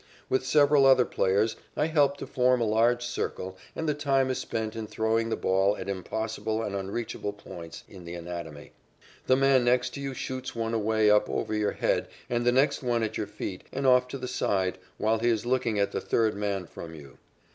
With several other players, I help to form a large circle and the time is spent in throwing the ball at impossible and unreachable points in the anatomy. The man next to you shoots one away up over your head and the next one at your feet and off to the side while he is looking at the third man from you.